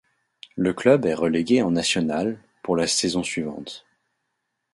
Le club est relégué en National pour la saison suivante.